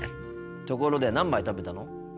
ところで何杯食べたの？